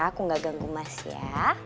aku gak ganggu emas ya